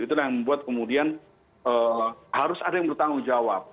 itulah yang membuat kemudian harus ada yang bertanggung jawab